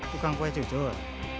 tukang kue cucur